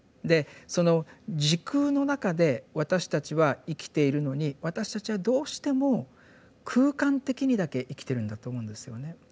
でその「時空」の中で私たちは生きているのに私たちはどうしても空間的にだけ生きてるんだと思うんですよね。